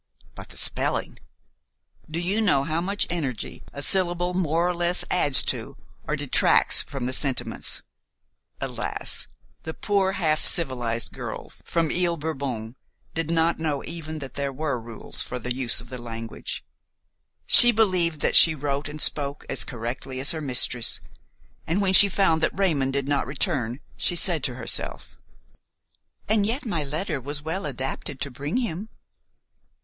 But the spelling! Do you know how much energy a syllable more or less adds to or detracts from the sentiments? Alas! the poor half civilized girl from Ile Bourbon did not know even that there were rules for the use of the language. She believed that she wrote and spoke as correctly as her mistress, and when she found that Raymon did not return she said to herself: "And yet my letter was well adapted to bring him."